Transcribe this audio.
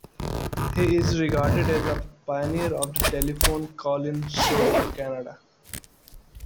He is regarded as a pioneer of the telephone call-in show in Canada.